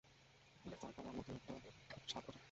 তারপরেও, নতুন একটা স্বাদ ওটা।